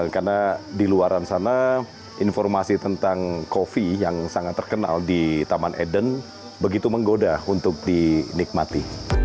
karena di luar sana informasi tentang kopi yang sangat terkenal di taman eden begitu menggoda untuk dinikmati